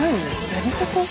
やり方？